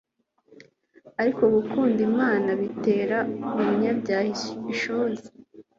ariko gukunda imana bitera umunyabyaha ishozi